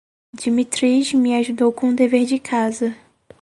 Dimitrij me ajudou com o dever de casa.